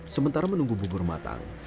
sementara menunggu bubur matang